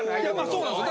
そうなんです。